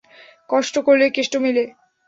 কষ্ট করলে কেষ্ট মিলে।